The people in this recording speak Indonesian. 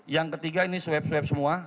yang ketiga ini swab swab semua